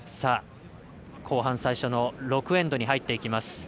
後半最初の６エンドに入っていきます。